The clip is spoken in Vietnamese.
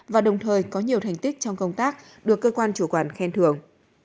và đồng thời có nhiều thành tích trong công tác được cơ quan chủ quản khen thường